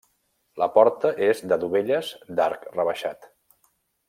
La porta és de dovelles d'arc rebaixat.